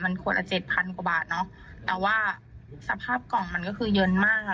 มันควรละ๗๐๐๐กว่าบาทแต่ว่าสภาพกล่องมันก็คือเยินมาก